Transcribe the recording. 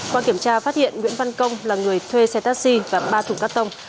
qua kiểm tra phát hiện nguyễn văn công là người thuê xe taxi và ba thùng cắt tông